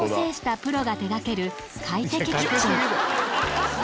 プロが手がける快適キッチン。